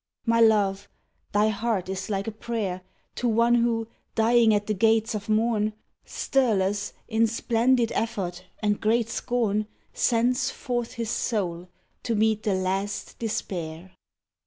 My Love, thy heart is like a prayer To one who, dying at the gates of morn, Stirless, in splendid effort and great scorn, Sends forth his soul to meet the last despair.